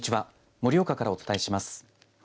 盛岡からお伝えします。